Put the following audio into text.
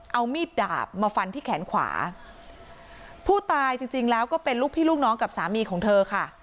เอามีดดาบมาฟันที่แขนขวาผู้ตายจริงจริงแล้วก็เป็นลูกพี่ลูกน้องกับสามีของเธอค่ะ